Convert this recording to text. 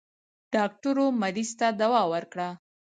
ډاکټر و مريض ته دوا ورکړه.